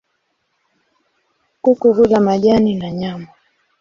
Kuku hula majani na nyama.